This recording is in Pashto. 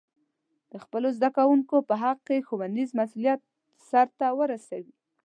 د خپلو زده کوونکو په حق کې ښوونیز مسؤلیت سرته ورسوي.